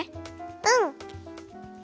うん。